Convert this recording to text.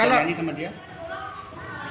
belajar nyanyi sama dia